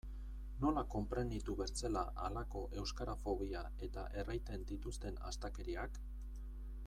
Nola konprenitu bertzela halako euskarafobia eta erraiten dituzten astakeriak?